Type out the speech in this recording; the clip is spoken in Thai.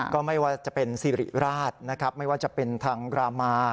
ก็ไม่ว่าจะเป็นสิริราชนะครับไม่ว่าจะเป็นทางรามา